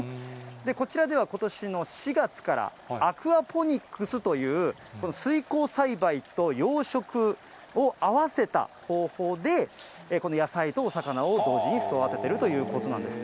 こちらではことしの４月から、アクアポニックスという、この水耕栽培と養殖を合わせた方法で、この野菜とお魚を同時に育ててるということなんです。